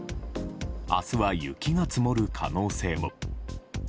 明日は雪が積もる可能性も。